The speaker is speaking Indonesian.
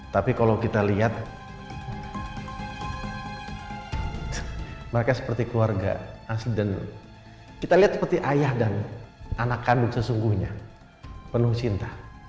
tapi kalau kita lihat